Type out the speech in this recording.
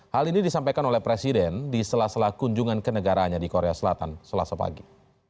hal ini disampaikan oleh presiden di sela sela kunjungan ke negaranya di korea selatan selasa pagi